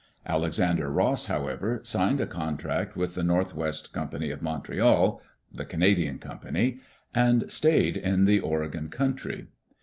Alexander Ross, however, signed a contract with the North West Company of Montreal (die Canadian company), and stayed in the Oregon country.